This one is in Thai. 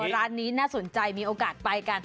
ร้านนี้น่าสนใจมีโอกาสไปกัน